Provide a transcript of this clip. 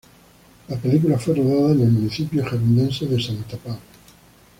La película fue rodada en el municipio gerundense de Santa Pau.